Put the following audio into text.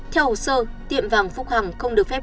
theo hồ sơ tiệm vàng phúc hằng không được phép